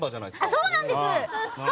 そうなんです！